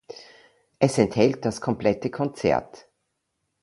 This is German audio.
Es enthält das komplette Konzert.